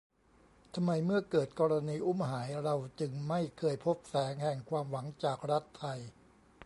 ทำไมเมื่อเกิดกรณีอุ้มหายเราจึงไม่เคยพบแสงแห่งความหวังจากรัฐไทย